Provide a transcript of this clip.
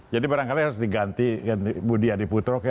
jadi barangkali harus diganti budi adiputro